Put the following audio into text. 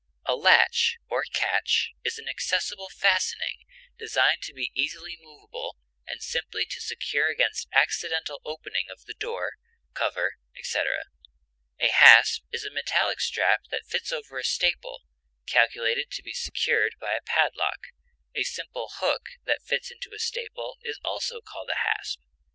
A latch or catch is an accessible fastening designed to be easily movable, and simply to secure against accidental opening of the door, cover, etc. A hasp is a metallic strap that fits over a staple, calculated to be secured by a padlock; a simple hook that fits into a staple is also called a hasp.